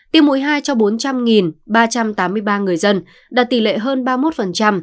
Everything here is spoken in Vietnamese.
tiêm mũi hai cho bốn trăm linh ba trăm tám mươi ba người dân đạt tỷ lệ hơn ba mươi một